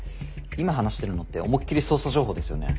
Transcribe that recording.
今話してるのって思いっきり捜査情報ですよね。